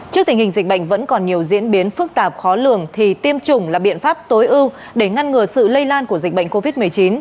trước tình hình dịch bệnh vẫn còn nhiều diễn biến phức tạp khó lường thì tiêm chủng là biện pháp tối ưu để ngăn ngừa sự lây lan của dịch bệnh covid một mươi chín